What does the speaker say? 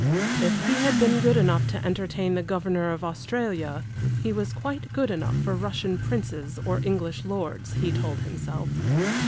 If he had been good enough to entertain the Governor of Australia, he was quite good enough for Russian princes or English lords, he told himself.